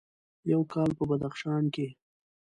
یو کال په بدخشان کې: